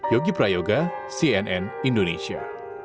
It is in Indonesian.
yogi prayoga cnn indonesia